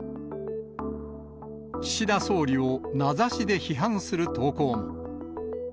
岸田総理を名指しで批判する投稿も。